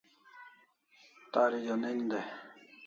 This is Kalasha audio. Tari jonen dai